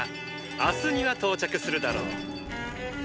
明日には到着するだろう！